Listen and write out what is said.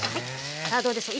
さあどうでしょう。